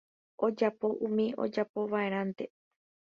Ojapo umi ojapovaʼerãnte.